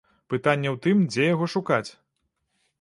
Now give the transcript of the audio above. Пытанне ў тым, дзе яго шукаць.